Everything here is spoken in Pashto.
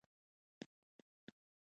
کورس د زده کړو لیوالتیا پیدا کوي.